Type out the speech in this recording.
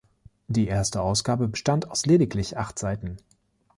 Die erste Ausgabe bestand aus lediglich acht Seiten.